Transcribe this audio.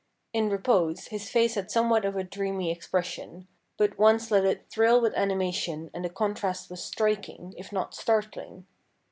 In repose his face had somewhat of a dreamy expression, but once let it thrill with animation and the contrast was striking, if not startling.